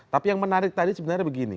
tapi yang menarik tadi sebenarnya begini